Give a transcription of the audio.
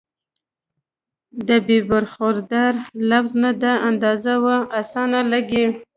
د برخوردار لفظ نه دا اندازه پۀ اسانه لګي